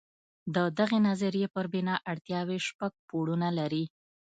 د دغې نظریې پر بنا اړتیاوې شپږ پوړونه لري.